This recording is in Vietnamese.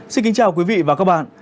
xin kính chào quý vị và các bạn